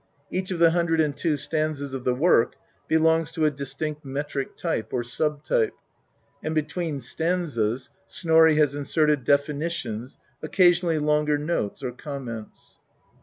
Each of the hundred and two stan zas of the work belongs to a distinct metric type or sub type, and between stanzas Snorri has inserted definitions, occasionally longer notes, or comments.